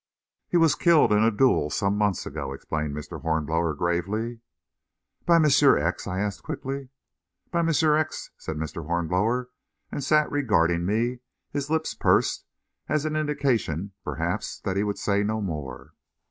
"He was killed in a duel some months ago," explained Mr. Hornblower, gravely. "By Monsieur X.?" I asked quickly. "By Monsieur X.," said Mr. Hornblower, and sat regarding me, his lips pursed, as an indication, perhaps, that he would say no more.